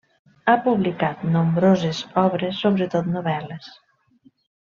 Ha publicat nombroses obres, sobretot novel·les.